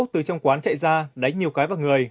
từ trong quán chạy ra đánh nhiều cái vào người